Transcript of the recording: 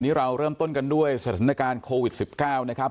เราเริ่มต้นกันด้วยสถานการณ์โควิด๑๙นะครับ